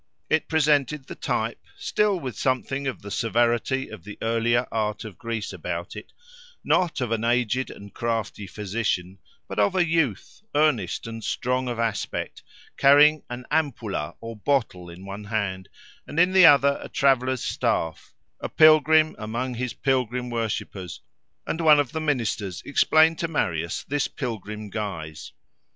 It presented the type, still with something of the severity of the earlier art of Greece about it, not of an aged and crafty physician, but of a youth, earnest and strong of aspect, carrying an ampulla or bottle in one hand, and in the other a traveller's staff, a pilgrim among his pilgrim worshippers; and one of the ministers explained to Marius this pilgrim guise.